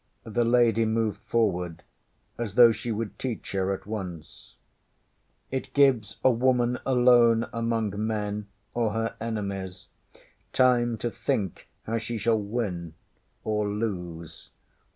ŌĆÖ The lady moved forward as though she would teach her at once. ŌĆśIt gives a woman alone among men or her enemies time to think how she shall win or lose.